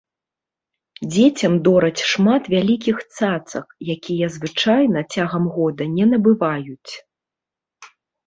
Дзецям дораць шмат вялікіх цацак, якія звычайна цягам года не набываюць.